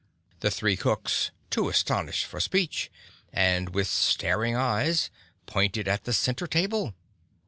The three cooks, too astonished for speech, and with staring eyes, pointed to the center table.